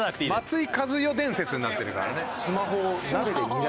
松居一代伝説になってるからね。